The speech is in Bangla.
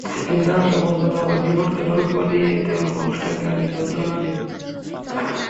সেইদিন না আসা পর্যন্ত, আমার জীবনকে নরক বানিয়ে দেয়া মানুষটাকে আমি যন্ত্রণা দিবো।